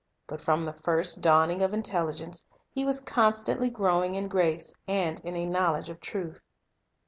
But from the first dawning of intelligence He was constantly growing in grace and in a knowledge of truth.